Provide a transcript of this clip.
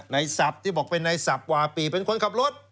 นายทรัพย์ที่บอกเป็นนายทรัพย์วาปีเป็นคนขับรถ